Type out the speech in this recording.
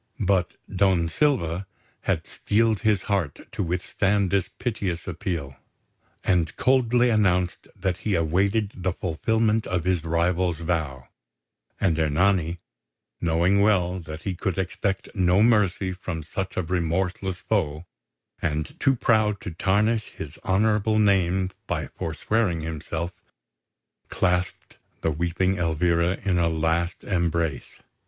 But Don Silva had steeled his heart to withstand this piteous appeal, and coldly announced that he awaited the fulfilment of his rival's vow; and Ernani, knowing well that he could expect no mercy from such a remorseless foe, and too proud to tarnish his honourable name by forswearing himself, clasped the weeping Elvira in a last embrace.